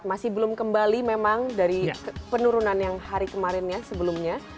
masih belum kembali memang dari penurunan yang hari kemarin ya sebelumnya